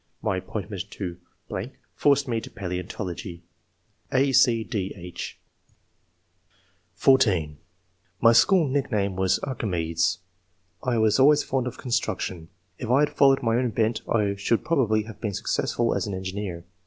My appointment to .... forced me to palaeontology." (a, c, d, h) (14) " My school nickname was * Archimedes ;' I was always fond of construction. If I had followed my own bent, I should probably have been [successful as] an engineer.